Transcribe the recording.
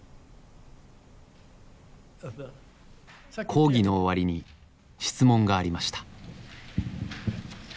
講義の終わりに質問がありました。